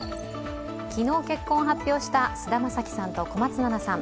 昨日、結婚を発表した菅田将暉さんと小松菜奈さん。